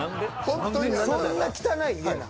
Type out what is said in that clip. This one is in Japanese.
そんな汚い家なん？